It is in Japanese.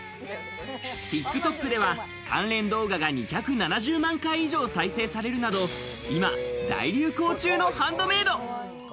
ＴｉｋＴｏｋでは関連動画が２７０万回以上再生されるなど、今大流行中のハンドメイド。